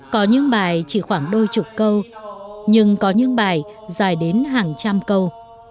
có những bài chỉ khoảng đôi chục câu nhưng có những bài dài đến hàng trăm câu